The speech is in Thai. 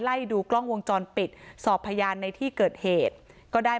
ไล่ดูกล้องวงจรปิดสอบพยานในที่เกิดเหตุก็ได้